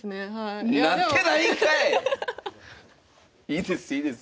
いいですいいです。